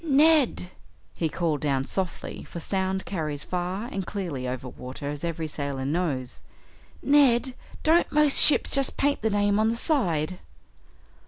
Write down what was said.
"Ned!" he called down softly, for sound carries far and clearly over water, as every sailor knows, "Ned, don't most ships just paint the name on the side?"